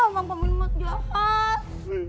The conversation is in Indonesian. bang parmin mah jahat